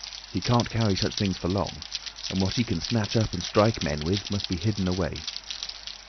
He can't carry such things for long. And what he can snatch up and strike men with must be hidden away."